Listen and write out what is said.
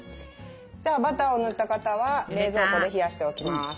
じゃあバターを塗った型は冷蔵庫で冷やしておきます。